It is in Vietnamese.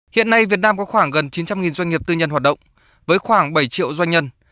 hiện nay việt nam có khoảng gần chín trăm linh doanh nghiệp tư nhân hoạt động với khoảng bảy triệu doanh nhân